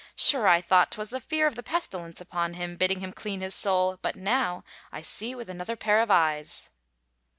Sure I thought 'twas the fear of the pestilence upon him bidding him clean his soul, but now I see with another pair of eyes."